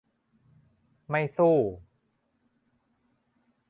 ไม่สู้